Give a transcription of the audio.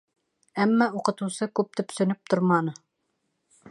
Әммә уҡытыусы күп төпсөнөп торманы.